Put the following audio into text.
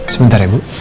sebentar ya bu